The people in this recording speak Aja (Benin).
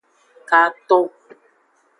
Katon.